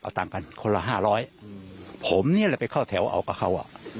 เอาตังค่ะละคนละ๕๐๐คนนี้ล่ะไปเข้าแถวเอากับเขา